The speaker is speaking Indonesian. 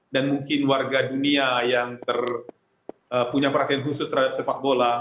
dan mungkin warga dunia yang ter punya perhatian khusus terhadap sepak bola